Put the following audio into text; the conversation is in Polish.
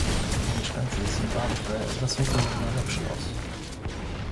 Mieszkańcy Zimbabwe zasługują na lepszy los